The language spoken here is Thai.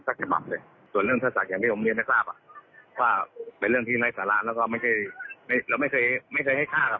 ก็คือร้ายงานตอนตอนที่สาปดีที่ลีตลอดหนึ่ง